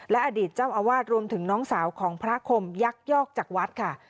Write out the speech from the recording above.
อดีตเจ้าอาวาสรวมถึงน้องสาวของพระคมยักยอกจากวัดค่ะ